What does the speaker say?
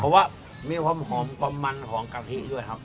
เพราะว่ามีความหอมความมันของกะทิด้วยครับ